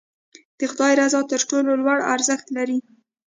د خدای رضا تر ټولو لوړ ارزښت لري.